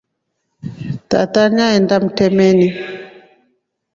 Tata nyaenda mtemani.